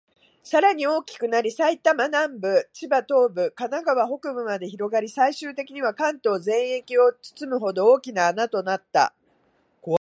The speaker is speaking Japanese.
さらに大きくなり、埼玉南部、千葉東部、神奈川北部まで広がり、最終的には関東全域を包むほど、大きな穴となった。